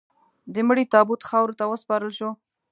د مړي تابوت خاورو ته وسپارل شو.